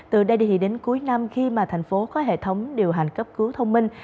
từ đây thì đến cuối năm khi mà thành phố có hệ thống điều hành cấp cứu thông minh